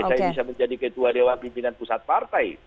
saya bisa menjadi ketua dewan pimpinan pusat partai